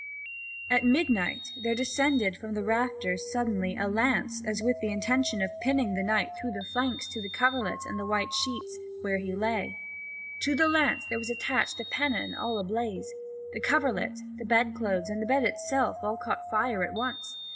At midnight there descended from the rafters suddenly a lance, as with the intention of pinning the knight through the flanks to the coverlet and the white sheets where he lay. To the lance there was attached a pennon all ablaze. The coverlet, the bedclothes, and the bed itself all caught fire at once.